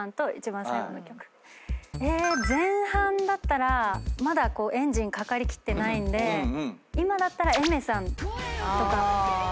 前半だったらまだエンジンかかり切ってないんで今だったら。